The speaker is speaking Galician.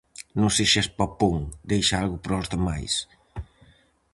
Non sexas papón, deixa algo para os demais!